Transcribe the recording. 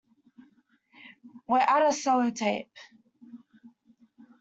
We're out of sellotape.